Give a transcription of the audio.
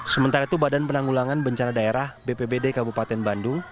sementara itu bpnb bpnb belum menetapkan status tanggap bencana untuk bencana banjir di kabupaten bandung